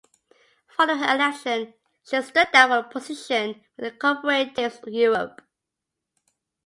Following her election, she stood down from her position within Co-operatives Europe.